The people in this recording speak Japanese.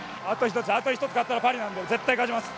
あと１つ勝ったらパリなので絶対勝ちます。